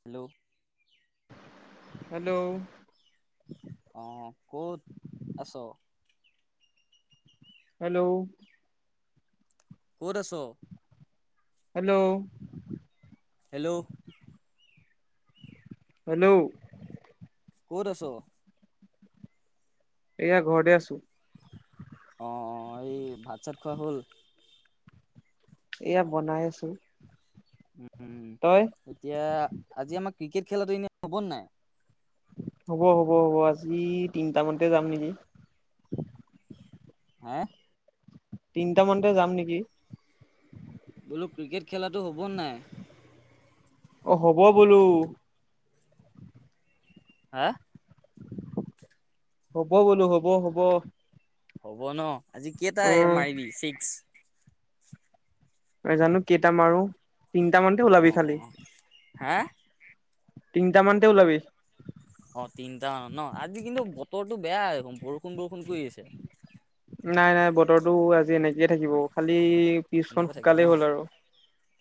Hello hello অহ, ক'ত আছ? হেল্ল' ক'ত আছ? হেল্ল' হেল্ল' হেল্ল' ক'ত আছ? এইয়া ঘৰতে আছো। অ, এই ভাত চাত খোৱা হ'ল? এইয়া বনাই আছো। উম, তই এতিয়া আজি আমাক ক্ৰিকেট খেলাটো এনেই হ'ব নাই? হ'ব-হ'ব-হ'ব, আজি তিনটামানতে যাম নেকি? আ? তিনটা মানতে যাম নেকি? বোলো ক্ৰিকেট খেলাটো হ'ব নাই? অ, হ'ব বোলো। হা? হ'ব বোলো, হ'ব-হ'ব। হব ন? আজি কেইটা এ মাৰিবি চিক্স? নেজানো কেইটা মাৰো তিনিটামানতে ওলাবি খালি হে তিনিটা মানতে ওলাবি অ তিনটা মানত ন আজি কিন্তু বতৰটো বেয়া বৰষুণ বৰষুণ কৰি আছে। নাই নাই বতৰতো আজি এনেকয়ে থাকিব খালি এনেকৈ পিছখন থাকিব ন সুকালেই হ'ল আৰু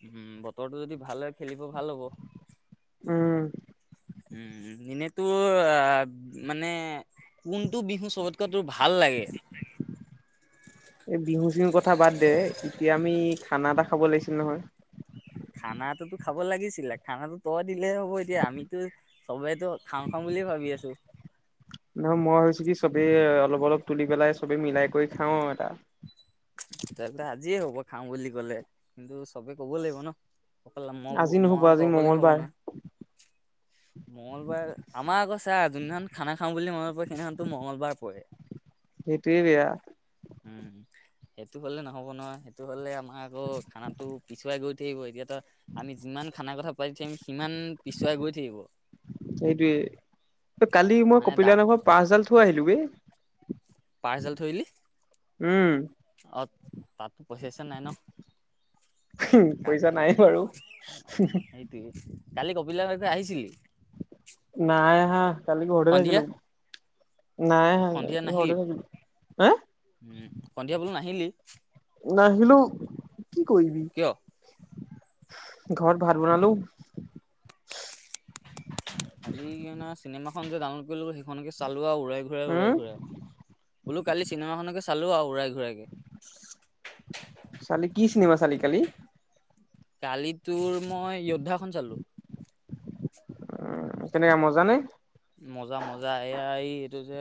উম বতৰটো যদি ভালে খেলি ভাল হ'ব উম উম এনেই ত তোৰ আহ মানে কোনটো বিহু চবতকৈ তোৰ ভাল লাগে এই বিহু চিহুৰ কথা বাদ দে এতিয়া আমি খানা এটা খাব লাগিছিল নহয় খানাটোতো খাব লাগিছিলে খানা তই দিলে হ'ব এতিয়া আমিতো চবে ত খাওঁ খাওঁ বুলিয়ে ভাবি আছো। নহয় মই ভাবিছো কি চবেই অলপ অলপ তুলি পেলাই চবে মিলাই কৰি খাও এটা চেল্লা আজিয়ে হব খাওঁ বুলি কলে কিন্তু চবে কব লাগিব ন? অকল মই আজি মই নহ'ব তই আজি অকলে নহব মঙ্গলবাৰ নহয় মঙলবাৰে আমাৰ আকৌ চাৰ যোনদিনাখন খানা খাওঁ তোলে মনত পৰে সেই দিনাখনো মঙলবাৰ পৰে সেইটোৱেই বেয়া উম সেইটো হ'লে নহ'ব নহয় সেইটো হ'লে আমাৰ আকৌ খানাটো পিছুৱাই গৈ থাকিব এতিয়া তা আমি যিমান খানা কথা পাতি থাকিম সিমান পিছুৱাই গৈ থাকিব সেইটোৱে কালি মই মানে দা কপিলা নামৰ পাচডাল থৈ আহিলো বে পাৰ্চেল থৈ আহিলি উম তাতো পইচা চইচা নাই ন কাৰ্ড পইচা কে নাই বাৰু। উম সেইটোৱে কালি কপিলা বাইদেউ আহিছিলি নাই আহা কালি ঘৰতেই সন্ধিয়া থাকিলো নাই সন্ধিয়া নাহিলি অহা ঘৰতেই উম সন্ধিয়া থাকিলো [unintelligible] নাহিলো কি কৰিবি কিয় ঘৰত ভাত বনালো খালিকেনে চিনেমা খন যে ডাউনলোড কৰিলো, সেইখনকে চাল উৰাই-ঘূৰাই, উম উৰাই-ঘূৰাই। বোলো কালি চিনেমাখনকে চালো আৰু উৰাই চালি [unintelligible] কি চিনেমা চালি কালি? কালি তোৰ মই যোদ্ধাখন চালো। উ কেনেকা মজা নে? মজা মজা, এইয়া এই-এইটো যে,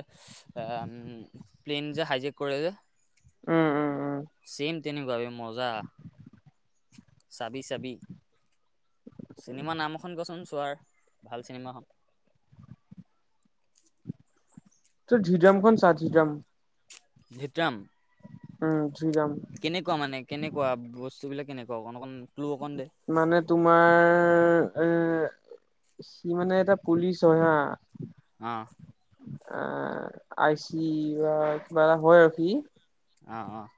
প্লেন যে হাইজেক কৰে যে। উম উম। উম ছেম তেনেকুৱা বে মজা। চাবি চাবি, চিনেমা নাম এখন কচোন চোৱাৰ, ভাল চিনেমাখন তোৰ ধিডামখন চা, ধিডাম ধিত্ৰম উম। ধৃড্ৰাম। কেনেকুৱা মানে, কেনেকুৱা বস্তুবিলাক? কেনেকুৱা? অকণ অকণ ক্লু অকণ দে মানে তোমাৰ! এ সি মানে এটা পুলিচ হয় হা! অ'। আ আইচি বা কিবা এটা হয় আৰু সি! অ' অ'।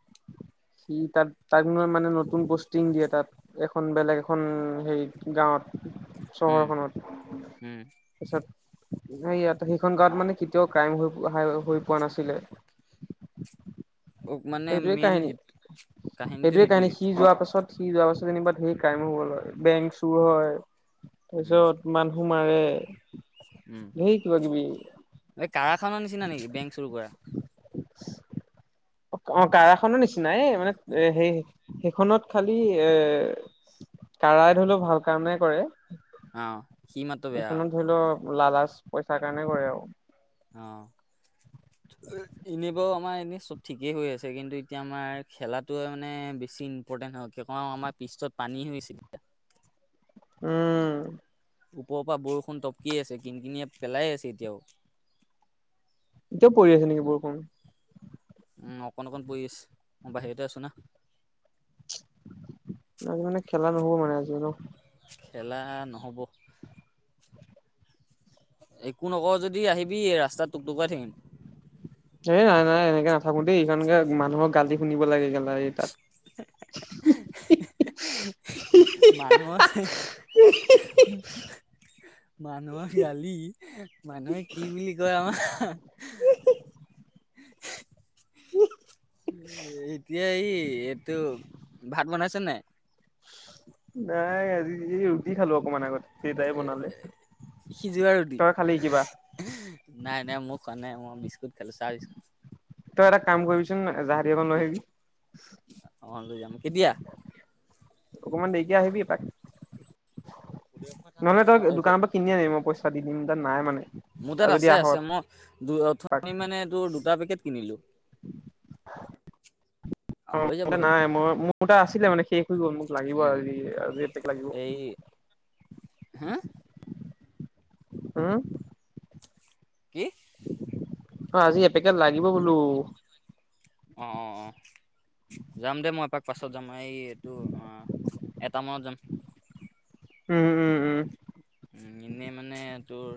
সি তাত-তাত মানে নতুন পষ্টিং দিয়ে তাত, এখন বেলেগ এখন হেৰি গাঁৱত। উম চহৰখনত, উম তাৰপিছত নাই, ইয়াতো সেইখন গাঁৱত মানে [unintelligible] কেতিয়াও ক্ৰাইম হৈ-হৈ পোৱা নাছিলে। অ' মানে সেইটোৱে মেইন কাহিনী হে-কাহিনীটো সেইটোৱে কাহিনী সেইটোৱেই। সি যোৱাৰ পাছত সি যোৱাৰ পাছত যেনিবা ধেৰ ক্ৰাইম হ'ল হয়, বেংক চুৰ হয়। উম তাৰপিছত, মানুহ মাৰে। ধেই কিবাকিবি! খানা নিচিনা নেকি? বেংক চুৰ কৰা অ' কাৰাখনৰ নিচিনাই, মানে এ সেই-সেইখনত খালি এ, কাৰাই ধৰি লওক ভাল কামে কৰে। অ'। সি মাতো বেয়া। কিছুমানে ধৰি লও লালাচ, পইচাৰ কাৰণে কৰে আৰু। অ', এনে বাৰু আমাৰ এনেই চব ঠিকেই হৈ আছে। কিন্তু এতিয়া আমাৰ খেলাটোৱে মানে বেছি ইম্পৰ্টেণ্ট হয়, কি কও আমাৰ পিতছত পানী হৈছে এতিয়া। উম। ওপৰৰ পৰা বৰষুণ টপকিয়ে আছে, কিনকিনিয়া পেলাইয়ে আছে এতিয়াও। এতিয়াও পৰি আছে নেকি বৰষুণ? উম, অকণ-অকণ পৰি আছে। মই বাহিৰতে আছো না। আজি মানে খেলা নহ'ব মানে আজি আৰু খেলা নহ'ব। একো নকৱ যদি আহিবি ৰাস্তাত টুকটুকৰাই থাকিম। এ নাই নাই এনেকে নাথাকো দেই। এই কাৰণে মানুহৰ গালি শুনিব লাগে গ মানুহৰ মানুহৰ গালি মানুহে কি বুলি কয় আমাৰ উম এতিয়া এই এইটো ভাত বনাইছ নে? নাই। আজি ৰুটি খালো অকমান আগতে দেউতাই বনালে সিজোৱা ৰুটি তই খালি কিবা নাই নাই মোৰ খোৱা নাই মই বিচ খেল চাই লৈছো তই এটা কাম কৰিবি চোন। ছোতা হাতি এখন লৈ আহিবি অ লৈ যাম কেতিয়া? অকমান দেৰিকে আহিবি এপাক। নহ'লে তই দোকানৰ পৰা কিনি আনিবি মই পইচা দি দিম তাত নাই মানে মোৰ তাত আৰু যদি আছে আহ আছে মই এপাক ওথনি মানে ত দুটা পেকেট কিনিলো। এ অ' নাই মই মোৰ। আছিলে মানে সেই গ'ল মোক লাগিব উম আজি আজি এপেকেট লাগিব এই হা হ কি? অ' আজি এপেকেটত লাগিব বোলো অ' অ' অ' যাম দে মই এপাক পাছত মই এই এইটো অ' এটা মানত যাম। উম, উম, উম, উ এনেই মানে তোৰ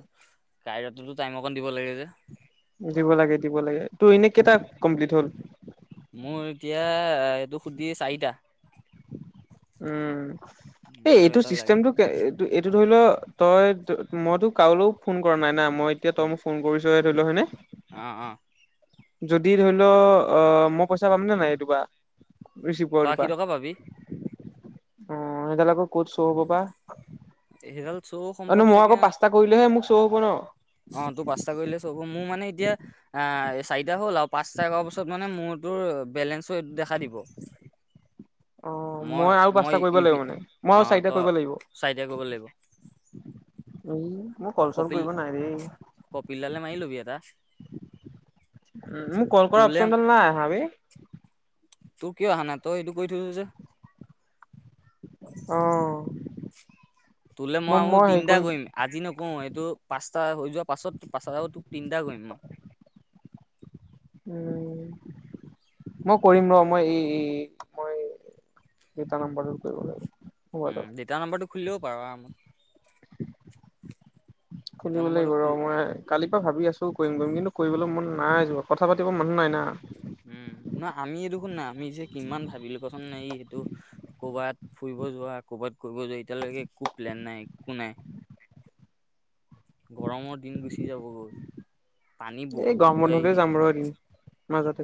তাইৰ তাতো টাইম অকণ দিব লাগে যে। ব দিব লাগে দি লাগে তুৰ এনেই কেইটা দিব। কমপ্লিট হ'ল। মোৰ এতিয়া এইটো সুধি চাৰিটা। উম উম, এই আৰু এইটো এটা লাগে। চিষ্টেমটো এইটো এইটো ধৰি লোৱা। তই মইতো কাৰোলৈও ফোন কৰা নাই না মই এতিয়া তই উম, মোক ফোন কৰিছে ধৰি ল হয়নে? অ', অ', যদি ধৰি ল আহ মই পইচা পামনেে নাই এইটোপা তই আশী টকা পাবি। অ এতিয়া জানো ক'ত শো হ'ব বা? স গাল [unintelligible] আৰু মই আকৌ পাঁচটা কৰিলেহে মোক শ্ব' হ'ব অ', তোৰ পাঁচটা ন? কৰিলে চব মোৰ মানে এতিয়া অ চাৰিটা হ'ল। পাঁচতা কৰা পাছত মানে মোৰ তোৰ বেলেঞ্চো দেখা দিব। অ মই আৰু পাঁচটা কৰিব লাগিব মানে মই আৰু অ', চাৰিটা তই কৰিব লাগিব। চাৰিটা কৰিব লাগিব। উম মোক কল চল কপিল কৰিব নাই দেই কপিলদালে মাৰি ল'বি এটা উ মোক কল কৰা তোৰলে অপচনডাল নাই বেই। তোৰ কিয় আহা নাই তই এইটো কৰি থৈছ যে। অহ তোলে মই আৰু তিনিটা কৰিম আজি নকওঁ এইটো পাঁচটা হৈ যোৱা পাছত পাঁচটা তোক তিনটা কৰিম মই। উম মই কৰিম ৰ মই এই মই দুটা নম্বৰটো কৰিব লাগিব। উম মোবাইলত যেতিয়া নম্বৰটো খুলি লবও পাৰ আৰামত। [inaudible] দেউতাৰ খুলিব নাম্বাৰটো লাগিব ৰ খুলি মই কালিৰ পৰা ভাবি আছো কৰিম কৰিম কিন্তু কৰিবলৈ মন নাই যোৱা কথা পাতিব মানুহ নাই না। উম নহ আমি এই দেখুন নাই আমি যে কিমান ভাবিলো কোৱাচোন হেৰি এইটো কৰ'বাত ফুৰিব যোৱা ক'বাত কৰিব যোৱা এতিয়ালৈকে একো প্লেন নাই একো নাই গৰমৰ দিন গুচি যাব গৈ। এই গৰম বন্ধতে যাম বাৰু এদিন। মাজতে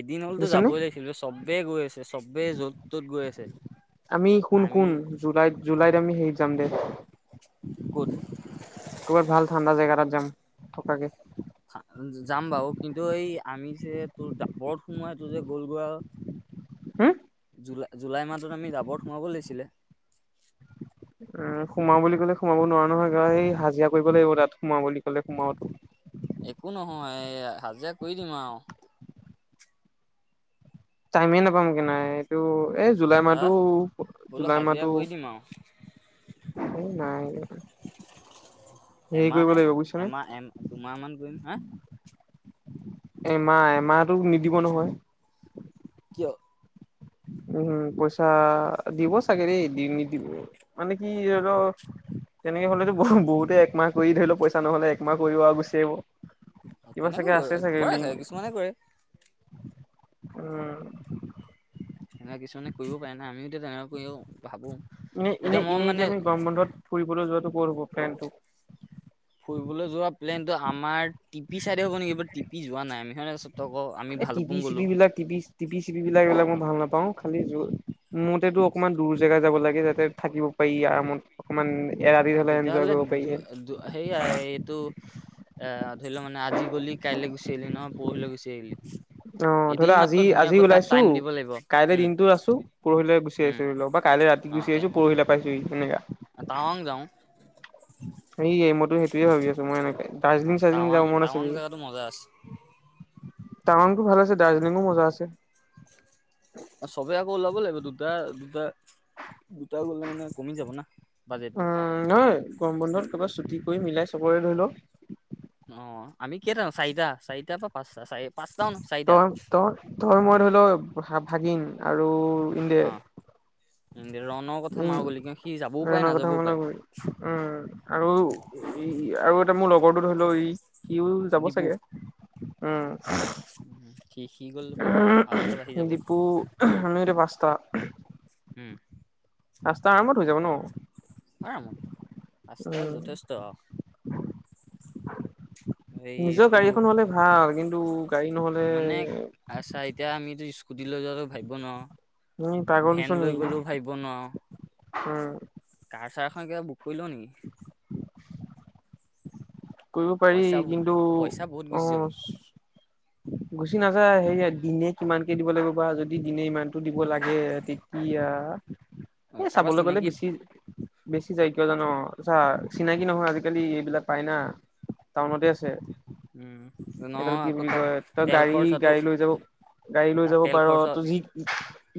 এদিন হ'লতো বুজিছনে যাবই লাগিছিল চব চবেই গৈছে আমি শুন আমি শুন জুলাইত জুলাইত আমি হেই জামগে। ক'ত কৰ'বাত ভাল ঠাণ্ডা জেগা এটাত যাম। থকাকে। যাম বাৰু কিন্তু এই আমি যে তোৰ ডাবৰত সোমোৱাই তোৰ যে গ'লগোৱা আৰু হুম জুলাই জুলাই মাহত আমি ডাবৰত সোমাব লাগিছিলে। উম সোমাও বুলি ক'লে সোমাব নোৱাৰ নোৱাৰ নহয় গ এই হাজিৰা কৰিব লাগিব তাত সোমোৱা বুলি ক'লে সোমাৱওটো এ হাজিৰা কৰি দিম আৰু। টাইমেই নাপাম কি নাই এইটো এই জুলাই হা মাহটো বোলো জুলাই হাজিৰা মাহটো কৰি দিম আৰু উ নাই হেৰি কৰিব এমাহে লাগিব বুজিছানে এমাহ এমাহ দুমাহ মান কৰিম হা। এমাহ এমাহটো নিদিব নহয়। অ, উম উ উ, পইচা দিব চাগে দেই দি নিদিব মানে কি ধৰিলও তেনেকে হলেতো ই হি বহুতে একমাহ কৰি ধৰি লও পইচা নহলে একমাহ কৰিব আৰু গুচি আহিব। কিবা চাগে তেনেকৈ আছে চাগে কৰা লিংক যায় কিছুমানে কৰে উম উ সেনেকুৱা কিছুমানে কৰিব পাৰে না আমি ও তো তেনেকৈও ভাবো এনেই এনেই মই এনেই মানে এতিয়া আমি গৰম বন্ধত ফুৰিবলৈ যোৱাত এইটো পৰব ফেনটো ঢি ঢি ঢি ফুৰিবলৈ যোৱা প্লেন ত আমাৰ টিপি চাইডে হ'ব নেকি বাট টিপি যোৱা নাই আমি হেয়া আৰু চব এ টিপি-চিপি বিলাক টিপি-চিপি বিলাক এইবিলাক মই ভাল নাপা পাওঁ খালি য মুঠতে অকণমান দূৰ জেগা যাব লাগে যাতে থাকিব পাৰি আৰামত অকমান এৰাতি আ হলে এনজয় তেতিয়াহলে কৰিব দু পাৰি দু সেয়াই এইটো এ ধৰি লোৱা মানে আজি গলি কাইলে গুচি আহিলি ন। পৰহিলৈ গুচি আহিলি। অ অ অ এদিন ধৰিলোৱা আজি মাত্ৰ আজি ধুনীয়াকৈ তাত ওলাইছো টাইম দিব লাগিব কাইলৈ উম দিনটো আছো পৰহিলৈ গুচি উম আহিছো ধৰিলওক বা কাইলৈ ৰাতি গুচি আহিছো পৰহিলৈ পাইছো ই এনেকা তাৱাং যাওঁ। সেয়েই মইতো সেইটোৱে ভাবি আছো মই এনেকে অ, দাৰ্জিলিং-চাৰ্জিলিং টাৱাং যাব মন আছে টাৱাং বি জেগাতো মজা আছে তাৱাংতো ভাল আছে দাৰ্জিলিংও মজা আছে। আ চবে আকৌ ওলাব লাগিব দুটা দুটা দুটা গলে মানে কমি যাব না বাজেটটো উম নহয় গৰম বন্ধত ক'ৰবাত ছুটি কৰি মিলাই চবৰে ধৰি লও অ অ অ, আমি কেইটা চাৰিটা চাৰিটাৰ পৰা পাঁচ ত ত তই মই ধৰিলও এ হা ভাগিন আৰু ইণ্ডিয়া অ ৰণৰ কথা বিং মাৰো বুলি কিয় সি যাবও পাৰে নিৰণৰ কথা নাযাবও মনত পাৰে পৰিল উম আৰু ই ই আৰু এটা মোৰ লগৰটো ধৰি লও ই সিওল যাব চাগে। উম উ সি সি গলে বাৰু আৰু এটা বাঢ়ি যাব। ডিপু আমি এতিয়া পাঁচটা হুম। ৰাস্তা আৰামত হৈ যাব ন আৰামত। পাঁচটাই উম যথেষ্ট আৰু এই নিজৰ এইটো গাড়ী এখন হলে ভাল কিন্তু গাড়ী নহলে মানে আচ্ছা এতিয়া আমিতো স্কুটিলৈ যোৱাতো ভাবিব নোৱাৰো তুমি পাগল হৈছ ভেন লৈ নেকি গ'লো ভাবিব নোৱাৰ। উম। এচাৰ এখন কিবা বুক কৰি লওঁ নেক কৰিব পাৰি, পইচা কিন্তু পইচা বহুত গুচি যাব অঁ গুচি নাযায় সেয়া দিনে কিমানকে দিব লাগিব বা যদি দিনে ইমানটো দিব লাগে তেতিয়া এ কাৰোবাৰ চাবলৈ গ'লে চিনাকিত বেছি বেছি যাই কিয় জান তই চা চিনাকি নহয় আজিকালি এইবিলাক পায় ন। টাউনতে আছে। উম। এডাল নহয় কি আকৌ বুলি তাক কয় তই তেল গাড়ী খৰচাটো গাড়ী লৈ যাব গাড়ী লৈ তাক যাব তেল পাৰ খৰচা তই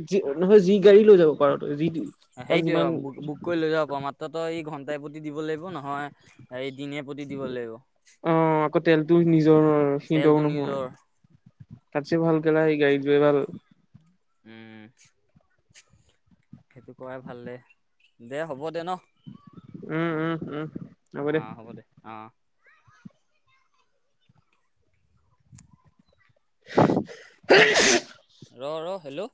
যি নহয় যি গাডী লৈ যাব পাৰ তই তাত সেইটোয়ে যিমান বুক কৰি লৈ যাব পাৰ মাত্ৰই এই তাত দিব লাগিব নহয় এই দিনে প্ৰতি দিব অ আকৌ তেলটো নিজৰ লাগিব সিন্দও তেলটো নহয় নিজৰ। তাতছে ভাল গাড়ীত যোৱাই ভাল। উম সেইটো কৰাই ভাল দে দে হ'ব দে ন উম উম উম। অঁ হ'ব দে অঁ [unintelligible] ৰ ৰ হেল্ল'